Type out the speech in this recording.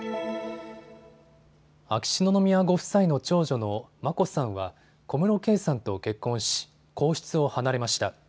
秋篠宮ご夫妻の長女の眞子さんは小室圭さんと結婚し皇室を離れました。